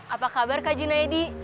apa kabar kak junaidi